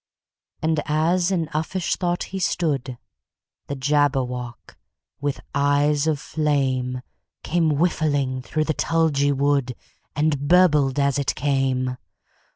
And as in uffish thought he stood, The Jabberwock, with eyes of flame, Came whiffling through the tulgey wood, And burbled as it came!